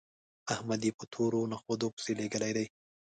احمد يې په تورو نخودو پسې لېږلی دی